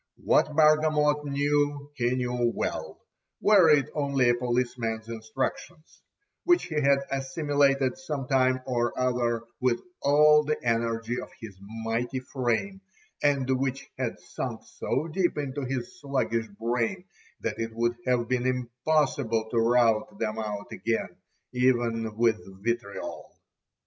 What Bargamot knew he knew well, were it only a policeman's instructions, which he had assimilated some time or other with all the energy of his mighty frame, and which had sunk so deep into his sluggish brain, that it would have been impossible to rout them out again, even with vitriol.